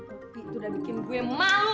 opi tuh udah bikin gue malu